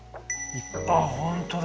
あっ本当だ。